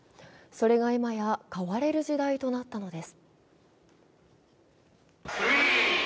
それが今や、買われる時代となったのです。